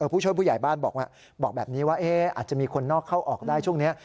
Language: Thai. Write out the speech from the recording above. ผู้ช่วยผู้ใหญ่บ้านบอกแบบนี้ว่าอาจจะมีคนนอกเข้าออกได้ช่วงนี้